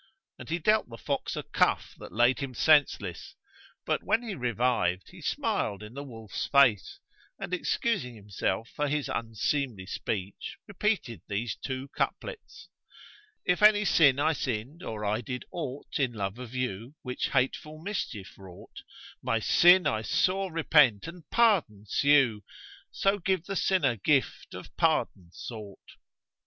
And he dealt the fox a cuff that laid him senseless; but, when he revived, he smiled in the wolf's face and, excusing himself for his unseemly speech, repeated these two couplets, "If any sin I sinned, or did I aught * In love of you, which hateful mischief wrought; My sin I sore repent and pardon sue; * So give the sinner gift of pardon sought."